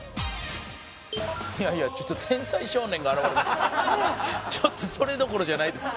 いやいやちょっと天才少年が現れてちょっとそれどころじゃないです。